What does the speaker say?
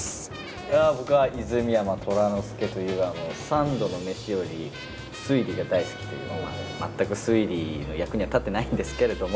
いや僕は泉山虎之介という三度の飯より推理が大好きというまあ全く推理の役には立ってないんですけれども。